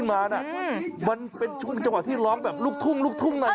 มันเป็นช่วงของที่ร้องหลุกธุ้มเลย